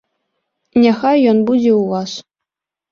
Няхай ён будзе ў вас.